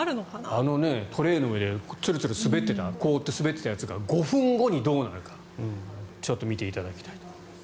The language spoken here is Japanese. あのトレーの上でツルツルと凍って滑っていたやつが５分後にどうなるかちょっと見ていただきたいと思います。